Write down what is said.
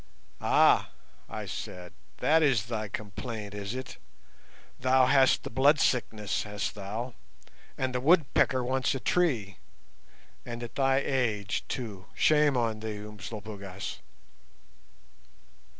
"Ah," I said, "that is thy complaint, is it? Thou hast the blood sickness, hast thou? And the Woodpecker wants a tree. And at thy age, too. Shame on thee! Umslopogaas."